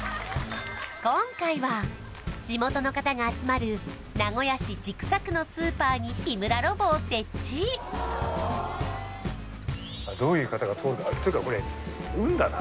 今回は地元の方が集まる名古屋市千種区のスーパーに日村ロボを設置どういう方が通るかというかこれ運だな